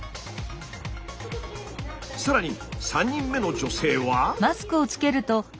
更に３人目の女性は。